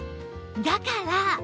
だから